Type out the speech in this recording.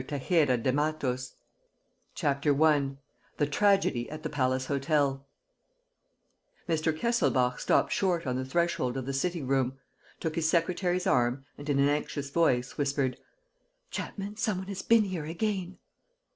THE SUICIDE 434 813 CHAPTER I THE TRAGEDY AT THE PALACE HOTEL Mr. Kesselbach stopped short on the threshold of the sitting room, took his secretary's arm and, in an anxious voice, whispered: "Chapman, some one has been here again."